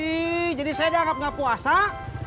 bukan gitu bang aku bilang kau seger bukan puasa nih coba dicek dulu